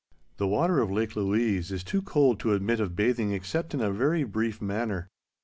The water of Lake Louise is too cold to admit of bathing except in a very brief manner.